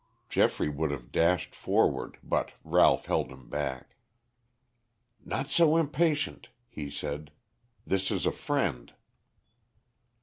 Geoffrey would have dashed forward, but Ralph held him back. "Not so impatient," he said. "This is a friend."